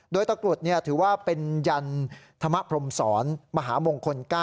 โดยตะกรุดถือว่าเป็นยันธรรมพรมศรมหามงคล๙